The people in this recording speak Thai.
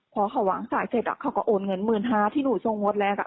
พอเขาหวังจ่ายเสร็จอ่ะเขาก็โอนเงินหมื่นห้าที่หนูทรงงดแรกอ่ะ